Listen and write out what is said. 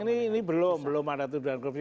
ini belum ada tuduhan krufi